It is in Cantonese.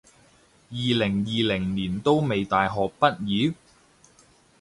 二零二零年都未大學畢業？